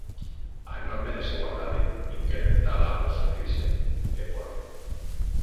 A enorme desigualdade, incrementada após a crise, é por algo.